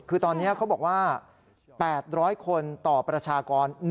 คือตอนนี้เขาบอกว่า๘๐๐คนต่อประชากร